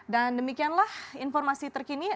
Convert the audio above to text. dan demikianlah informasi terkini